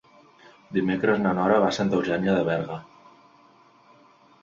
Dimecres na Nora va a Santa Eugènia de Berga.